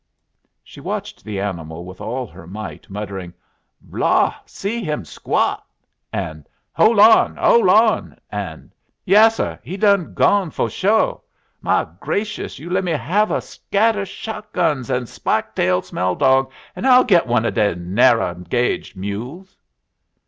She watched the animal with all her might, muttering, "Law, see him squot," and "Hole on, hole on!" and "Yasser, he done gone fo' sho. My grashus, you lemme have a scatter shoot gun an' a spike tail smell dog, an' I'll git one of dey narrah gauge mules."